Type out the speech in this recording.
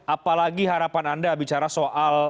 apalagi harapan anda bicara soal